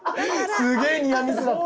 すげえニアミスだった。